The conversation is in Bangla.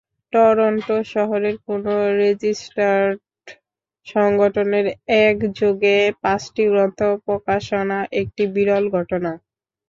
টরন্টো শহরের কোনো রেজিস্টার্ড সংগঠনের একযোগে পাঁচটি গ্রন্থ প্রকাশনা একটি বিরল ঘটনা।